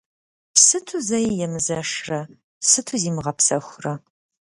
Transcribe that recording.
Сыту зэи емызэшрэ, сыту зимыгъэпсэхурэ?